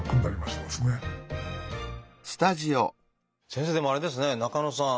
先生でもあれですね中野さん。